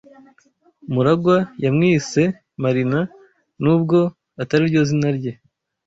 MuragwA yamwise Marina nubwo atariryo zina rye.